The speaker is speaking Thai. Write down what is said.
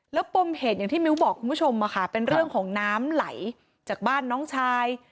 แล้วปมเหตุอย่างที่มิ้วบอกคุณผู้ชมเป็นเรื่องของน้ำไหลจากบ้านน้องชาย